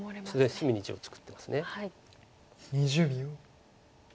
隅に地を作ってます。